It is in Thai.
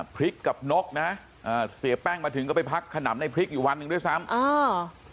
พริกกับนกนะอ่าเสียแป้งมาถึงก็ไปพักขนำในพริกอยู่วันหนึ่งด้วยซ้ำอ่า